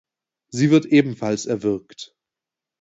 Sie wird ebenfalls erwürgt.